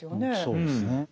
そうですね。